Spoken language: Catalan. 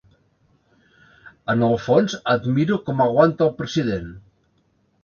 En el fons admiro com aguanta el president.